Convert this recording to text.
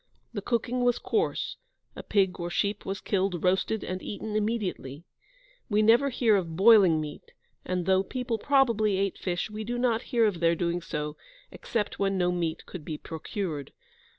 The cooking was coarse: a pig or sheep was killed, roasted and eaten immediately. We never hear of boiling meat, and though people probably ate fish, we do not hear of their doing so, except when no meat could be procured.